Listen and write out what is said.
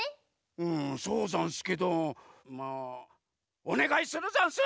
うんそうざんすけどまあおねがいするざんす！